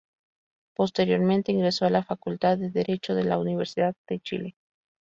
Posteriormente ingresó a la Facultad de Derecho de la Universidad de Chile.